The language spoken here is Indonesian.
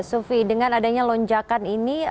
sufi dengan adanya lonjakan ini